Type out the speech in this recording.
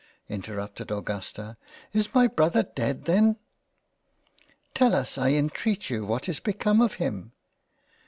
(interrupted Augusta) is my Brother dead then ? Tell us I intreat you what is become of him